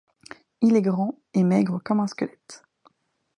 Il est grand, et maigre comme un squelette.